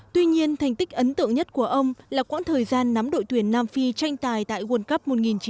tuy nhiên thành tích ấn tượng nhất của ông là quãng thời gian nắm đội tuyển nam phi tranh tài tại world cup một nghìn chín trăm chín mươi